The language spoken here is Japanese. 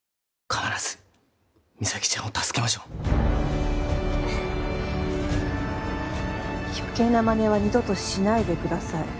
必ず実咲ちゃんを助けましょううんっ余計なマネは二度としないでください